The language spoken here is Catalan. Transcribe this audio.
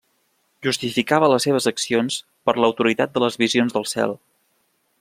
Justificava les seves accions per l'autoritat de les visions del cel.